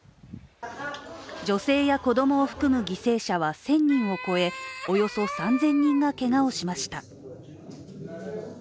女性や子供を含む犠牲者は１０００人を超え、およそ３０００人がけがをしました。